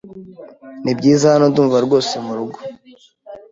Nibyiza hano, ndumva rwose murugo.